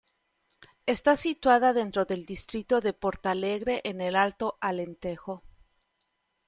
Está situada dentro del distrito de Portalegre en el Alto Alentejo.